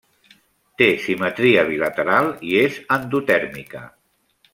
Té simetria bilateral i és endotèrmica.